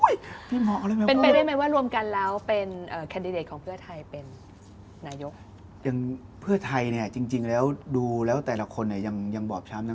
อย่างเพื่อไทยเนี่ยจริงแล้วดูแล้วแต่ละคนเนี่ยยังบอบช้ำ